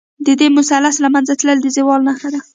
د دې مثلث له منځه تلل، د زوال نښه ده.